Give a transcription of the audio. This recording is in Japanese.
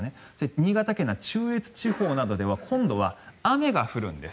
新潟県、中越地方などでは今度は雨が降るんです。